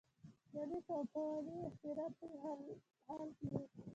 د لیک او کولالۍ اختراع په حال کې وو.